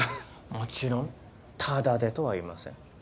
もちろんタダでとは言いません。